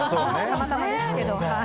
たまたまですｋど。